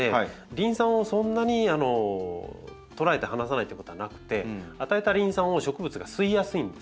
リン酸をそんなにとらえて離さないってことはなくて与えたリン酸を植物が吸いやすいんですよ。